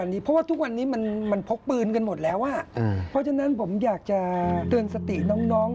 ดังนั้นผมอยากจะเตือนสติน้อง